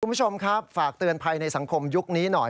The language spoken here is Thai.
คุณผู้ชมครับฝากเตือนภัยในสังคมยุคนี้หน่อย